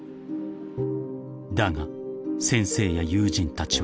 ［だが先生や友人たちは違った］